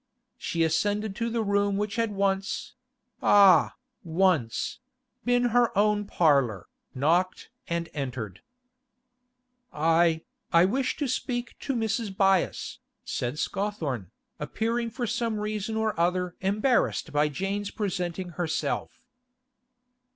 She ascended to the room which had once—ah! once!—been her own parlour, knocked and entered. 'I—I wished to speak to Mrs. Byass,' said Scawthorne, appearing for some reason or other embarrassed by Jane's presenting herself.